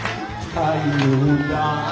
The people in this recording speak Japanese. はい。